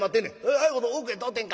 早いこと奥へ通ってんか」。